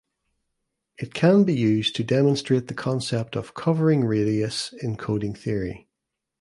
It can be used to demonstrate the concept of covering radius in coding theory.